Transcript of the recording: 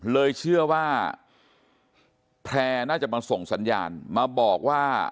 เลยเชื่อว่าแพร่น่าจะมาส่งสัญญาณมาบอกว่า